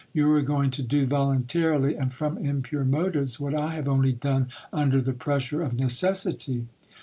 You are going to do voluntarily, and from impure motives, what I have only done under the pres sure of necessity.